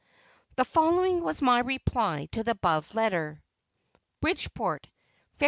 The following was my reply to the above letter: BRIDGEPORT, Feb.